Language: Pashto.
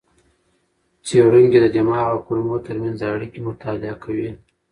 څېړونکي د دماغ او کولمو ترمنځ اړیکې مطالعه کوي.